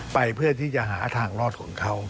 ไปเพื่อที่จะหาทางรอดของเขา